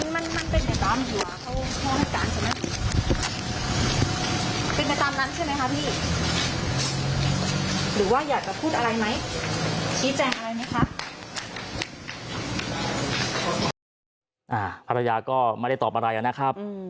และคุณผู้ชมภรรยาก็ไม่ได้ตอบอะไรนะครับ